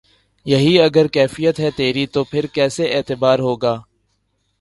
یہی اگر کیفیت ہے تیری تو پھر کسے اعتبار ہوگا